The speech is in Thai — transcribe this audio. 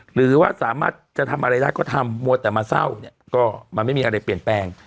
หรือว่าสามารถจะทำอะไรได้ก็ทำมัวแต่มาเศร้าเนี่ยก็มันไม่มีอะไรเปลี่ยนแปลง